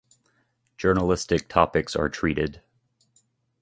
Journalistic topics are treated.